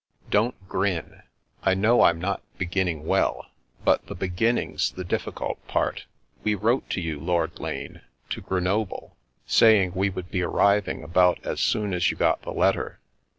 Don't grin. I know I'm not beginning well, but the beginning's the difficult part. We wrote to you, Lord Lane, to Grenoble, sa3ring we would be arriving about as soon as you got the letter.